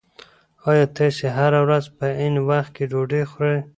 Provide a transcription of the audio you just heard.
ایا تاسي هره ورځ په عین وخت کې ډوډۍ خورئ؟